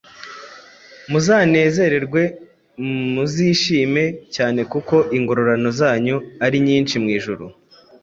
Muzanezerwe, muzishime cyane kuko ingororano zanyu ari nyinshi mu ijuru,